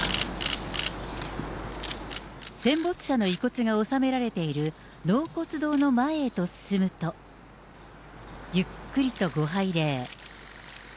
戦没者の遺骨が納められている納骨堂の前へと進むと、ゆっくりとご拝礼。